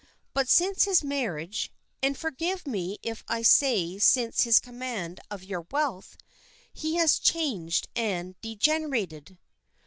But since his marriage and forgive me if I say since his command of your wealth he has changed and degenerated."